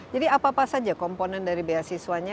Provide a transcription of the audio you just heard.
jadi apa apa saja komponen dari beasiswanya